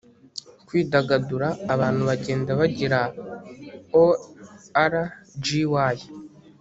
kwidagadura abantu, genda, kugira orgy